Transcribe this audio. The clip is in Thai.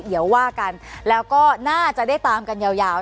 เดี๋ยวว่ากันแล้วก็น่าจะได้ตามกันยาว